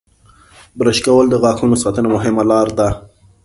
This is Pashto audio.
• برش کول د غاښونو ساتنې مهمه لاره ده.